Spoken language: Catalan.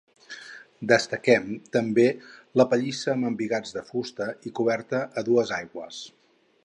Destaquem també la pallissa amb embigats de fusta i coberta a dues aigües.